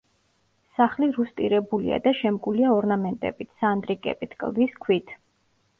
სახლი რუსტირებულია და შემკულია ორნამენტებით, სანდრიკებით, კლდის ქვით.